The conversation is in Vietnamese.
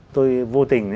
tôi vô tình